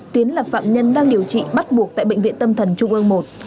tiến là phạm nhân đang điều trị bắt buộc tại bệnh viện tâm thần trung ương một